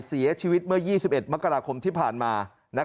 เสียชีวิตเมื่อ๒๑มกราคมที่ผ่านมา